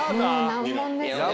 難問ですよ。